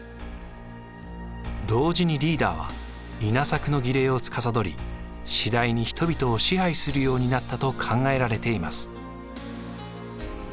同時にリーダーは稲作の儀礼をつかさどり次第に人々を支配するようになったと考えられています。